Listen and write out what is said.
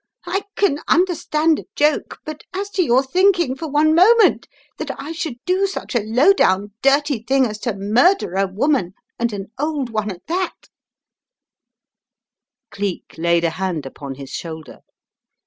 I can understand a joke, but as to your thinking for one moment that I should do such a low down dirty thing as to murder a woman, and an old one at that " Gleek laid a hand upon his shoulder.